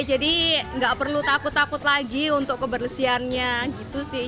jadi nggak perlu takut takut lagi untuk kebersihannya gitu sih